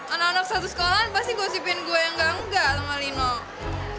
anak anak satu sekolah pasti gosipin gue yang gak enggak sama linol